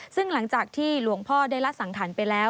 ซึ่งหลังจากที่หลวงพ่อได้ละสังขารไปแล้ว